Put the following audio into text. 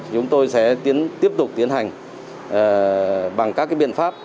chúng tôi sẽ tiếp tục tiến hành bằng các biện pháp